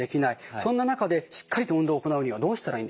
そんな中でしっかりと運動を行うにはどうしたらいいんでしょうか？